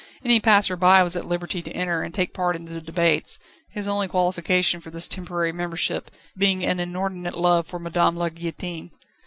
Any passer by was at liberty to enter and take part in the debates, his only qualification for this temporary membership being an inordinate love for Madame la Guillotine.